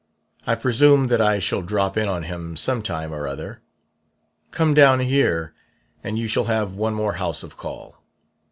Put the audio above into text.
I presume that I shall drop in on him some time or other. Come down here, and you shall have one more house of call.